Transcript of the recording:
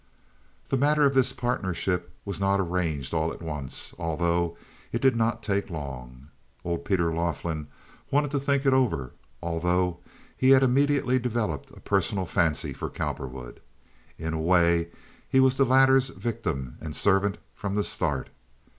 The matter of this partnership was not arranged at once, although it did not take long. Old Peter Laughlin wanted to think it over, although he had immediately developed a personal fancy for Cowperwood. In a way he was the latter's victim and servant from the start.